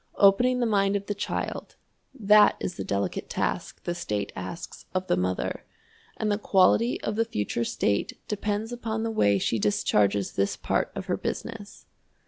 Opening the mind of the child, that is the delicate task the state asks of the mother, and the quality of the future state depends upon the way she discharges this part of her business.